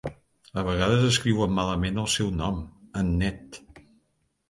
A vegades escriuen malament el seu nom: "Annett.